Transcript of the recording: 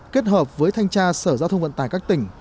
kết hợp với thanh tra sở giao thông vận tải các tỉnh